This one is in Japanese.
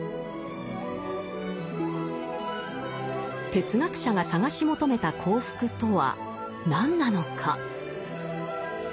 哲学者が探し求めた幸福とは何なのか。